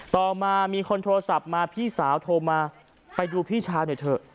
ต่อมามีคนโทรศัพท์มาพี่สาวโทรมาไปดูพี่ชายหน่อยเถอะ